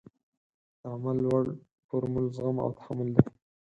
د عمل وړ فورمول زغم او تحمل دی.